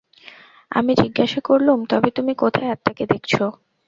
আমি জিজ্ঞাসা করলুম, তবে তুমি কোথায় আত্মাকে দেখছ?